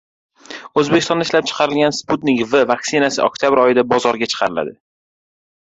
O‘zbekistonda ishlab chiqarilgan «Sputnik V» vaksinasi oktyabr oyida bozorga chiqariladi